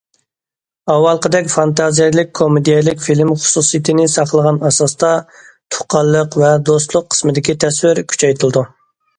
ئاۋۋالقىدەك فانتازىيەلىك كومېدىيەلىك فىلىم خۇسۇسىيىتىنى ساقلىغان ئاساستا، تۇغقانلىق ۋە دوستلۇق قىسمىدىكى تەسۋىر كۈچەيتىلىدۇ.